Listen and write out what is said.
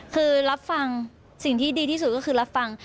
คือรับฟังสิ่งที่ดีที่สุดก็คือรับฟัง